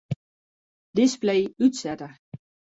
Display útsette.